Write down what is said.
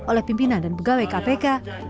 oleh pimpinan dan pegawai kpk